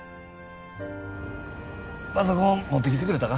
パソコン持ってきてくれたか？